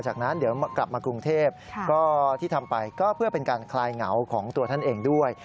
จากนั้นเดี๋ยวกลับมากรุงเทพก็ที่ทำไปก็เพื่อเป็นการคลายเหงาของตัวท่านเองด้วย